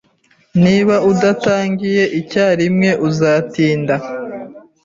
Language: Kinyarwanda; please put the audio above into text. Niba udatangiye icyarimwe, uzatinda.